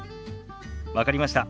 分かりました。